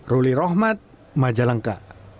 ruli rohmat majalengka